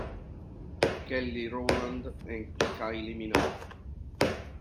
Kelly Rowland e Kylie Minogue.